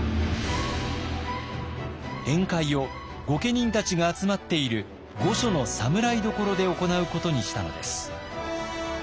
宴会を御家人たちが集まっている御所の侍所で行うことにしたのです。